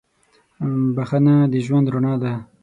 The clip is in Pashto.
• بخښنه د ژوند رڼا ده.